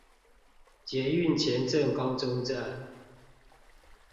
捷運前鎮高中站